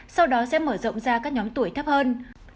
sau đó sẽ mở rộng ra các nhóm tuổi thấp hơn